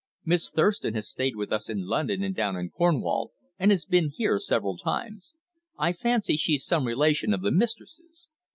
"Miss Thurston has stayed with us in London and down in Cornwall, and has been here several times. I fancy she's some relation of the mistress's.